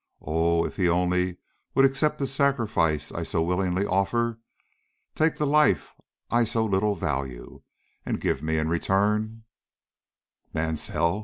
Oh, if He only would accept the sacrifice I so willingly offer! take the life I so little value, and give me in return " "Mansell's?"